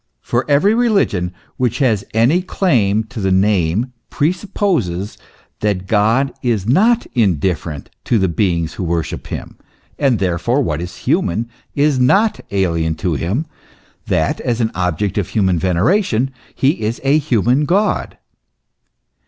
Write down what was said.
For every religion which has any claim to the name, presupposes that God is not indifferent to the beings who worship him, that therefore what is human is not alien to him, that, as an object of human veneration, he is a human God.